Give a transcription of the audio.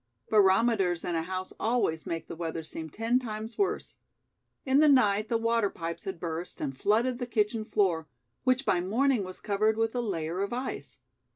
Barometers in a house always make the weather seem ten times worse. In the night the water pipes had burst and flooded the kitchen floor, which by morning was covered with a layer of ice.